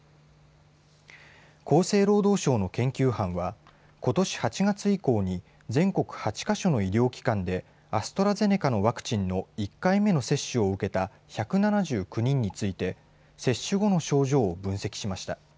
厚生労働省の研究班はことし８月以降に全国８か所の医療機関でアストラゼネカのワクチンの１回目の接種を受けた１７９人について接種後の症状を分析しました。